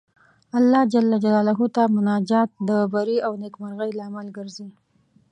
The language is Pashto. الله جل جلاله ته مناجات د بري او نېکمرغۍ لامل ګرځي.